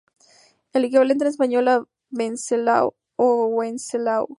El equivalente en español es Venceslao o Wenceslao.